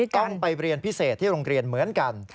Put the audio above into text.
ต้องไปเรียนพิเศษที่โรงเรียนเหมือนกัน